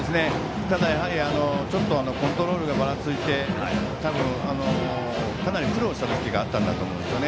ただちょっとコントロールがばらついてかなり苦労した時期があったんだと思います。